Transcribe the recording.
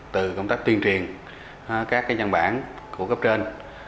từ công tác tuyên truyền các nhân bản của cấp trên